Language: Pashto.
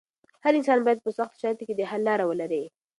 هر انسان بايد په سختو شرايطو کې د حل لاره ولري.